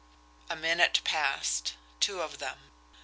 A minute passed two of them.